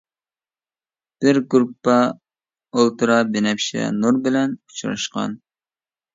بىر گۇرۇپپا ئۇلترا بىنەپشە نۇر بىلەن ئۇچراشقان.